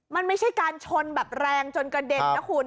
มันไม่ใช่การชนแบบแรงจนกระเด็นนะคุณ